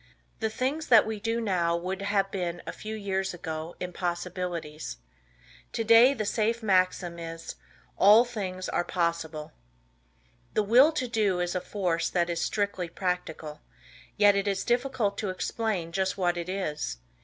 The things that we do now would have been a few ages ago impossibilities. Today the safe maxim is: "All things are possible." The Will To Do is a force that is strictly practical, yet it is difficult to explain just what it is.